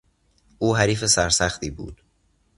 او حریف سرسختی بود.